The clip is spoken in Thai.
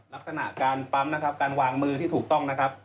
ลักษณะการปั๊มนะครับการวางมือที่ถูกต้องนะครับ